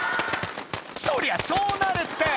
そりゃそうなるって！